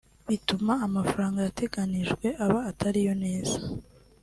Bituma amafaranga yateganijwe aba atari yo neza